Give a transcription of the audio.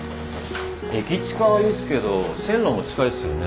駅近はいいっすけど線路も近いっすよね？